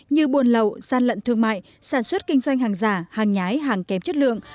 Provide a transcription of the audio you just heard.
như buồn lậu gian lận thương mại sản xuất kinh doanh hàng giả hàng nhái hàng kém chất lượng